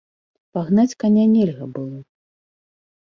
Пагнаць каня нельга было.